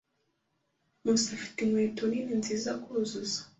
Nkusi afite inkweto nini nziza kuzuza.